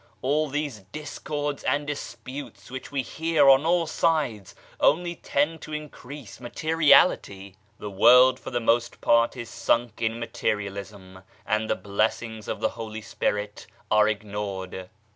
All these discords and disputes which we hear on all sides only tend to increase mate riality. The world for the most part is sunk in materialism, and the blessings of the Holy Spirit are ignored.